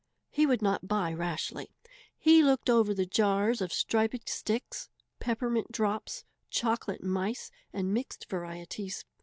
He would not buy rashly. He looked over the jars of striped sticks, peppermint drops, chocolate mice, and mixed varieties.